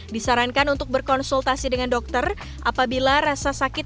disarankan untuk berkonsultasi dengan dokter apabila rasa sakit